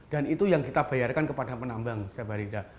dan itu yang kita bayarkan kepada penambang saya berharga